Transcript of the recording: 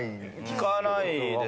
聞かないです。